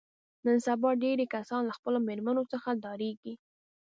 نن سبا ډېری کسان له خپلو مېرمنو څخه ډارېږي.